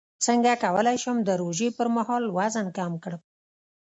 څنګه کولی شم د روژې پر مهال وزن کم کړم